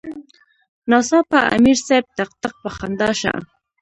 ناڅاپه امیر صېب ټق ټق پۀ خندا شۀ ـ